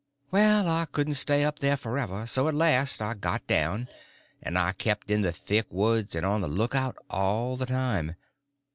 Well, I couldn't stay up there forever; so at last I got down, but I kept in the thick woods and on the lookout all the time.